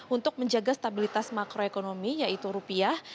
untuk menjaga stabilitas makroekonomi yaitu rupiah